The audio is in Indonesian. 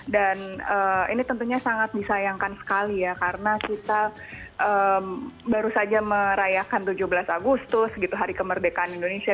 dan ini tentunya sangat disayangkan sekali ya karena kita baru saja merayakan tujuh belas agustus gitu hari kemerdekaan indonesia